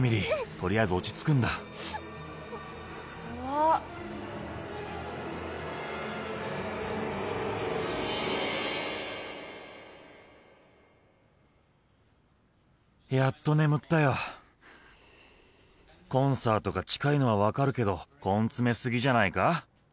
とりあえず落ち着くんだやっと眠ったよコンサートが近いのは分かるけど根詰めすぎじゃないか？